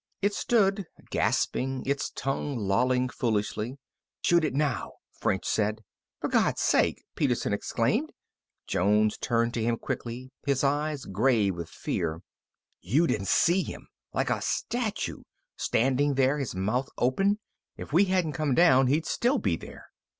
It stood, gasping, its tongue lolling foolishly. "Shoot it now," French said. "For God's sake!" Peterson exclaimed. Jones turned to him quickly, his eyes gray with fear. "You didn't see him like a statue, standing there, his mouth open. If we hadn't come down, he'd still be there."